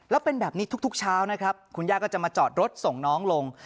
แล้วเป็นแบบนี้ทุกเช้านะครับคุณย่าก็จะมาจอดรถส่งน้องลง